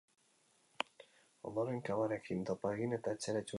Ondoren, cavarekin topa egin eta etxera itzuli da.